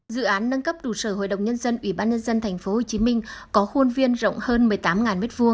dự án nâng cấp trụ sở hội đồng nhân dân ủy ban nhân dân thành phố hồ chí minh có khuôn viên rộng hơn một mươi tám m hai